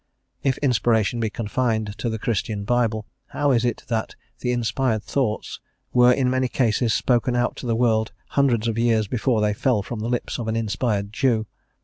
If inspiration be confined to the Christian Bible, how is it that the inspired thoughts were in many cases spoken out to the world hundreds of years before they fell from the lips of an inspired Jew?